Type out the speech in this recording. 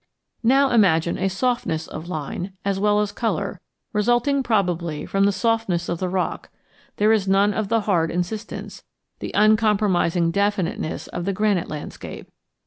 Now imagine a softness of line as well as color resulting probably from the softness of the rock; there is none of the hard insistence, the uncompromising definiteness of the granite landscape.